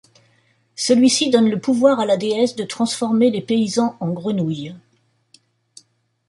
Celui-ci donne le pouvoir à la déesse de transformer les paysans en grenouille.